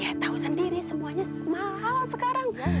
eh tahu sendiri semuanya mahal sekarang